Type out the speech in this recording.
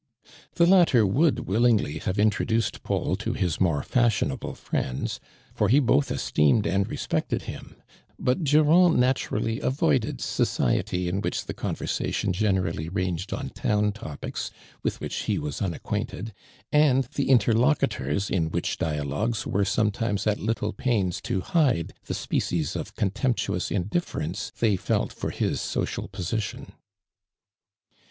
The latter would willingly have intro duced Paul to his more fashionable friends, I'or he both esteemed and respected him ; but Durand naturally avoided society in which the conversation generally ranged on town topics, with which he was unac quainted, and the interlocutors in which dialogues were sometimes at little pains to hide the species of contemptuous indiffer ence they felt for his social position.